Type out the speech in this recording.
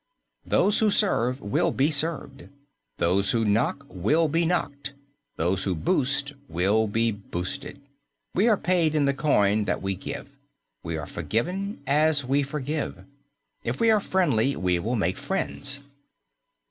Those who serve will be served; those who knock will be knocked; those who boost will be boosted. We are paid in the coin that we give. We are forgiven as we forgive. If we are friendly, we will make friends.